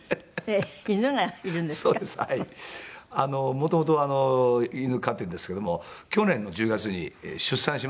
元々犬飼ってるんですけども去年の１０月に出産しましてうちで。